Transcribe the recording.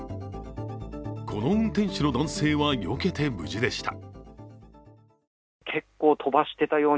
この運転手の男性はよけて無事でした。